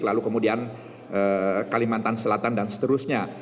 lalu kemudian kalimantan selatan dan seterusnya